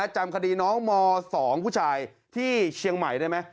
จำคดีน้องม๒ผู้ชายที่เชียงใหม่ได้ไหม